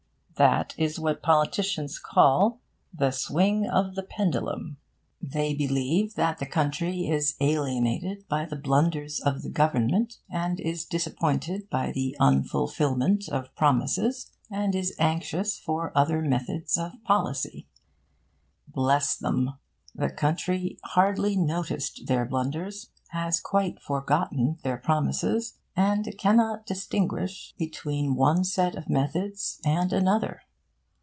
That is what politicians call 'the swing of the pendulum.' They believe that the country is alienated by the blunders of the Government, and is disappointed by the unfulfilment of promises, and is anxious for other methods of policy. Bless them! the country hardly noticed their blunders, has quite forgotten their promises, and cannot distinguish between one set of methods and another.